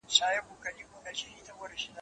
په شپو شپو یې سره کړي وه مزلونه